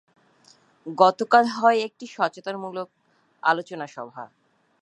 গতকাল হয় একটি সচেতনতামূলক আলোচনা সভা।